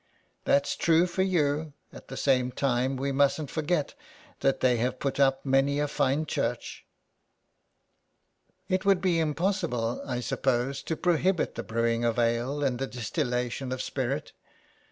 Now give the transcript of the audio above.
That's true for you ; at the same time we musnt forget that they have put up many a fine church." " It would be impossible, I suppose, to prohibit the brewing of ale and the distillation of spirit."